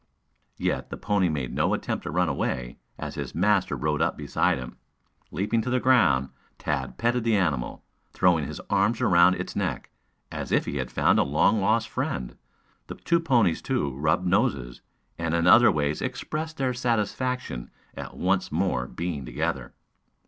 Yet the pony made no attempt to run away as his master rode up beside him. Leaping to the ground, Tad petted the animal, throwing his arms about its neck, as if he had found a long lost friend. The two ponies, too, rubbed noses, and in other ways expressed their satisfaction at once more being together.